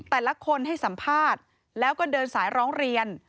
แต่ละคนให้สัมภาษณ์แล้วก็เดินสายร้องเรียน